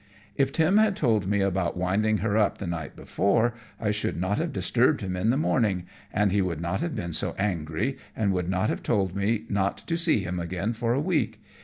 If Tim had told me about winding her up the night before I should not have disturbed him in the morning, and he would not have been so angry, and would not have told me not to see him again for a week.